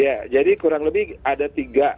ya jadi kurang lebih ada tiga